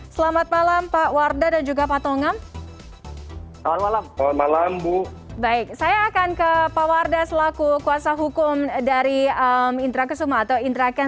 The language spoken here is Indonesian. selamat malam pak wardah dan juga pak tongam